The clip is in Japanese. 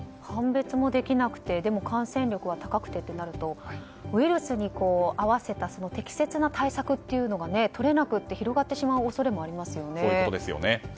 判別もできなくてでも感染力が高いとなるとウイルスに合わせた適切な対策というのがとれなくって広がってしまう恐れもありますよね。